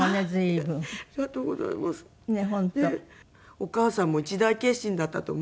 お母さんも一大決心だったと思うんです。